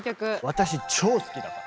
私超好きだから。